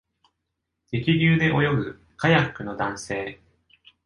激流で泳ぐカヤックの男性